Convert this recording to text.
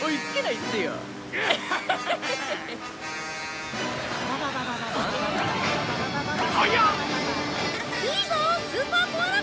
いいぞー！